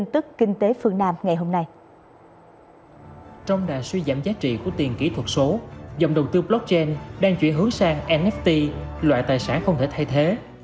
trong đợt suy giảm giá trị của tiền kỹ thuật số dòng đầu tư blockchain đang chuyển hướng sang nft loại tài sản không thể thay thế